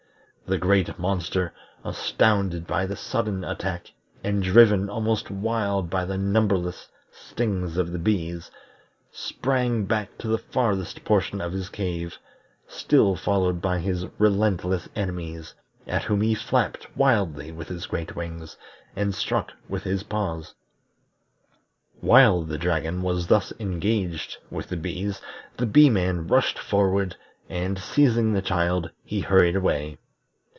The great monster, astounded by this sudden attack, and driven almost wild by the numberless stings of the bees, sprang back to the farthest portion of his cave, still followed by his relentless enemies, at whom he flapped wildly with his great wings and struck with his paws. While the dragon was thus engaged with the bees, the Bee man rushed forward, and, seizing the child, he hurried away.